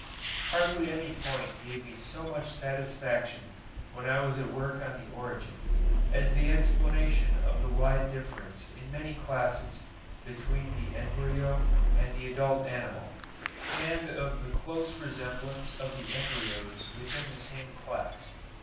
Hardly any point gave me so much satisfaction when I was at work on the 'Origin,' as the explanation of the wide difference in many classes between the embryo and the adult animal, and of the close resemblance of the embryos within the same class.